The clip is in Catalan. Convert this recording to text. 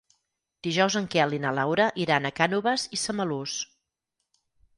Dijous en Quel i na Laura iran a Cànoves i Samalús.